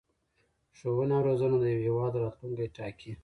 ښوونه او رزونه د یو هېواد راتلوونکی ټاکي.